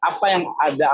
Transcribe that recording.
apa yang kita dapatkan